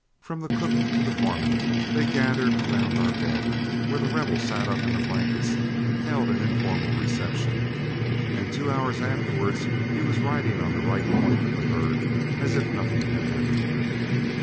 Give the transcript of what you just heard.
From the cook to the foreman, they gathered around our bed, where The Rebel sat up in the blankets and held an informal reception; and two hours afterward he was riding on the right point of the herd as if nothing had happened.